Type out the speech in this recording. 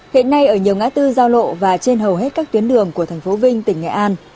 hiện nay ở nhiều ngã tư giao lộ và trên hầu hết các tuyến đường của thành phố vinh tỉnh nghệ an